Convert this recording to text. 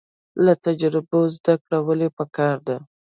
له تجربو زده کړه ولې پکار ده؟